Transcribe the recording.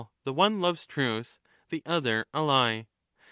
7 1234' the one loves truth, the other a lie.